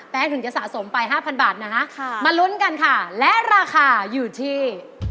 ถึงจะสะสมไป๕๐๐บาทนะฮะมาลุ้นกันค่ะและราคาอยู่ที่